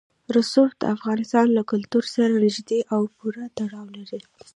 رسوب د افغانستان له کلتور سره نږدې او پوره تړاو لري.